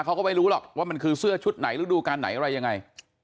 เขาก็ไม่รู้หรอกว่ามันคือเสื้อชุดไหนฤดูการไหนอะไรยังไง